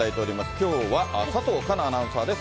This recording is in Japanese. きょうは佐藤佳奈アナウンサーです。